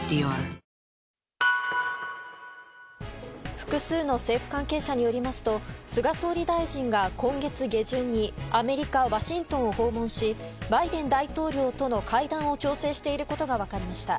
複数の政府関係者によりますと菅総理大臣が今月下旬にアメリカ・ワシントンを訪問しバイデン大統領との会談を調整していることが分かりました。